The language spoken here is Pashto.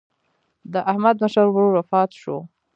د احمد مشر ورور وفات شو.